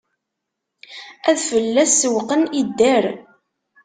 Ad fell-as sewwqen, idder.